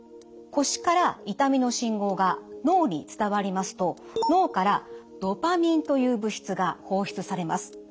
腰から痛みの信号が脳に伝わりますと脳からドパミンという物質が放出されます。